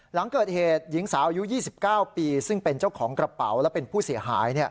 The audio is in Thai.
หลังเกิดเหตุหญิงสาวอายุ๒๙ปีซึ่งเป็นเจ้าของกระเป๋าและเป็นผู้เสียหาย